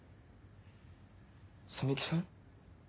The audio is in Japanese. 摘木さん？